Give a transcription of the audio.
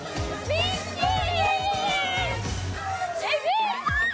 ミッキー！